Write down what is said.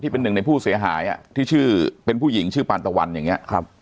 เป็นหนึ่งในผู้เสียหายที่ชื่อเป็นผู้หญิงชื่อปานตะวันอย่างนี้